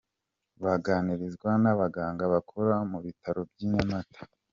Baganirizwa n'abaganga bakora mu bitaro by'i Nyamata.